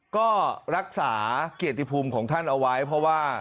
ก็รักษาเกียรติภูมิของท่านเอาไว้เพราะว่า